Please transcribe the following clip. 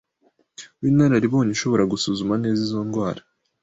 w’inararibonye ushobora gusuzuma neza izo ndwara